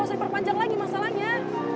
gak usah perpanjang lagi masalahnya